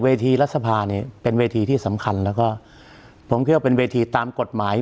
รัฐสภาเนี่ยเป็นเวทีที่สำคัญแล้วก็ผมคิดว่าเป็นเวทีตามกฎหมาย